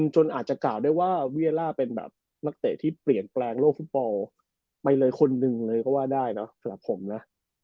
จนอาจจะกล่าวได้ว่าเวียล่าเป็นแบบนักเตะที่เปลี่ยนแปลงโลกฟุตบอลไปเลยคนหนึ่งเลยก็ว่าได้เนอะสำหรับผมนะ